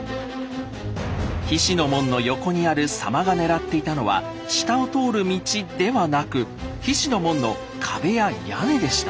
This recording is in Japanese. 菱の門の横にある狭間が狙っていたのは下を通る道ではなく菱の門の壁や屋根でした。